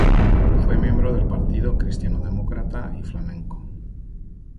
Fue miembro del partido Cristiano Demócrata y Flamenco.